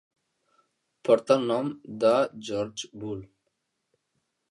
Porta el nom de George Boole.